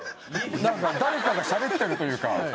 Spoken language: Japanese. なんか誰かがしゃべってるというか。